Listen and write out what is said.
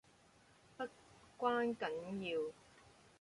不關緊要